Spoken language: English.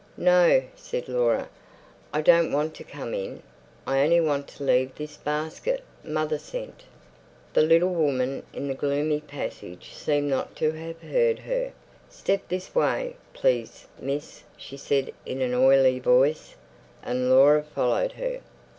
"No," said Laura, "I don't want to come in. I only want to leave this basket. Mother sent—" The little woman in the gloomy passage seemed not to have heard her. "Step this way, please, miss," she said in an oily voice, and Laura followed her.